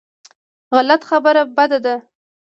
غلط خبره بده ده.